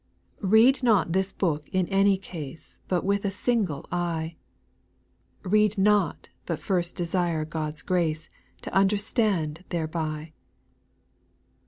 96 SPIRITUAL SONGS. 5. Read not this book in any case But with a single eye ; Read not but first desire God's grace To understand thereby.